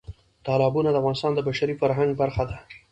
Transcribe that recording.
تالابونه د افغانستان د بشري فرهنګ برخه ده.